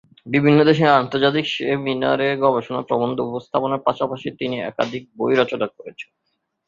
বিভিন্ন দেশে আন্তর্জাতিক সেমিনারে গবেষণা প্রবন্ধ উপস্থাপনের পাশাপাশি তিনি একাধিক বই রচনা করেছেন।